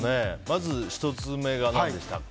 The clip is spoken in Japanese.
まず１つ目が何でしたっけ。